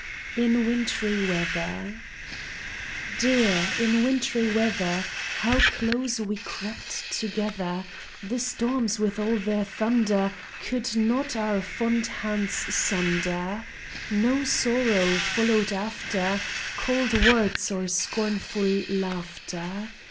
IN WINTRY WEATHER Dear, in wintry weather, How close we crept together ! The storms, with all their thunder, Could not our fond hands sunder. No sorrow followed after, Cold words or scornful laughter.